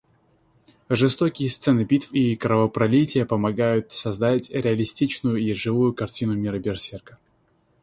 Жестокие сцены битв и кровопролитие помогают создать реалистичную и живую картину мира Берсерка.